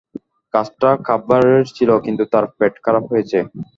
কাজটা কার্ভারের ছিল, কিন্তু তার পেট খারাপ হয়েছে।